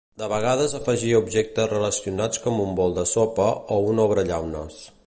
De vegades afegia objectes relacionats com un bol de sopa o un obrellaunes.